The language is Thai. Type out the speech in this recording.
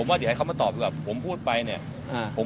เราไปทำศาลไม่ได้หรอบอก